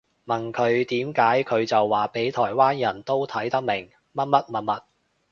問佢點解佢就話畀台灣人都睇得明乜乜物物